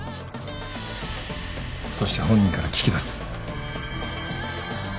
そして本人から聞き出す。